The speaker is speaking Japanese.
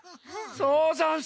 そうざんす！